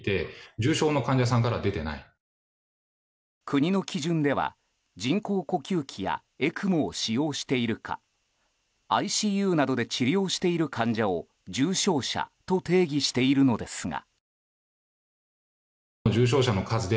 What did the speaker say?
国の基準では、人工呼吸器やＥＣＭＯを使用しているかＩＣＵなどで治療している患者を重症者と定義しているのですが。